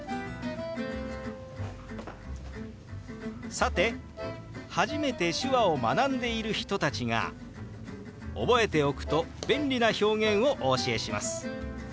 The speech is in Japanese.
さて初めて手話を学んでいる人たちが覚えておくと便利な表現をお教えします。